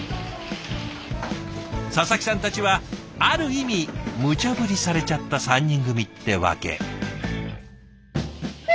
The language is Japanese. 佐々木さんたちはある意味むちゃぶりされちゃった３人組ってわけ。